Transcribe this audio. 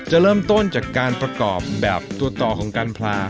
เริ่มต้นจากการประกอบแบบตัวต่อของการพลา